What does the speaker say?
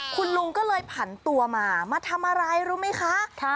คุณลุงก็เลยผันตัวมามาทำอะไรรู้ไหมคะ